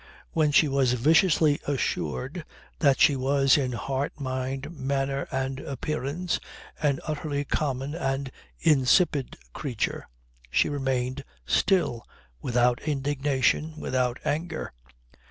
When she was viciously assured that she was in heart, mind, manner and appearance, an utterly common and insipid creature, she remained still, without indignation, without anger.